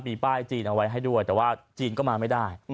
มีป้ายจีนเอาไว้ให้ด้วยแต่ว่าจีนก็มาไม่ได้